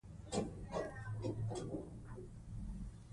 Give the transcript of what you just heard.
خلک له پرچاوینو ستړي شول.